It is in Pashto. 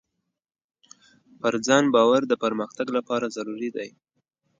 پر ځان باور د پرمختګ لپاره ضروري دی.